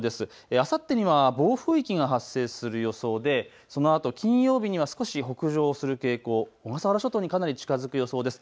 あさってには暴風域が発生する予想で、そのあと金曜日には少し北上する傾向、小笠原諸島にかなり近づく予想です。